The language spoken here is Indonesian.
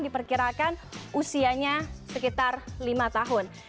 di perkirakan usianya sekitar lima tahun